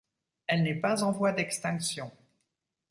Elle n'est pas en voie d'extinction.